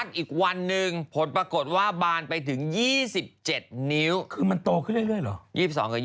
ผมพูดว่า๕๐ก็จะ๕๐กับพอด้วย